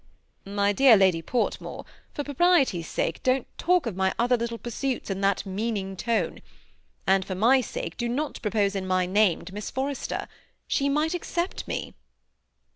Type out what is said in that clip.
" My dear Lady Portmore, for propriety's sake don't talk of my other little pursuits in that meaning tone ; and for my sake, do not propose in my name to Miss Forrester. She might accept me."